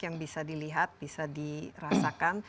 yang bisa dilihat bisa dirasakan